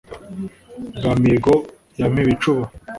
Bwa Mihigo ya Mpibicuba*,